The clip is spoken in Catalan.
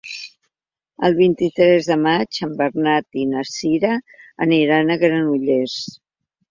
El vint-i-tres de maig en Bernat i na Cira aniran a Granollers.